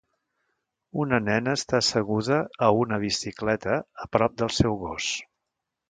Una nena està asseguda a una bicicleta a prop del seu gos